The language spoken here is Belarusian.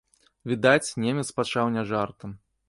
Відаць, немец пачаў не жартам.